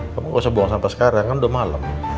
kamu gak usah buang sampah sekarang kan udah malam